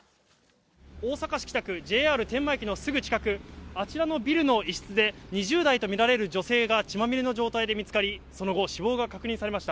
大阪市北区、ＪＲ天満駅のすぐ近く、あちらのビルの一室で、２０代と見られる女性が血まみれの状態で見つかり、その後、死亡が確認されました。